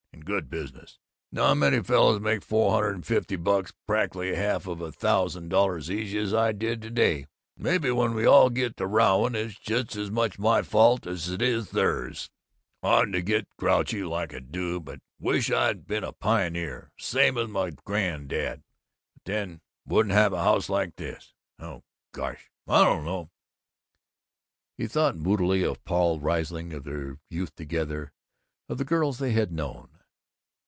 And good business. Not many fellows make four hundred and fifty bucks, practically half of a thousand dollars, easy as I did to day! Maybe when we all get to rowing it's just as much my fault as it is theirs. Oughtn't to get grouchy like I do. But Wish I'd been a pioneer, same as my grand dad. But then, wouldn't have a house like this. I Oh, gosh, I don't know!" He thought moodily of Paul Riesling, of their youth together, of the girls they had known.